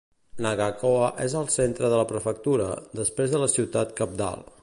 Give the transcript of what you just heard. Nagaoka és al centre de la prefectura, després de la ciutat cabdal.